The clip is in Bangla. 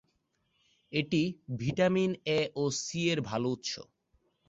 এটি ভিটামিন এ ও সি এর ভাল উৎস।